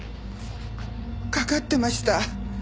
かかってました。